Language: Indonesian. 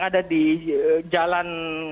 ada di jalan